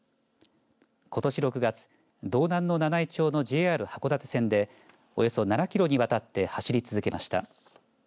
ことし６月道南の七飯町のＪＲ函館線でおよそ７キロにわたって走り続けました。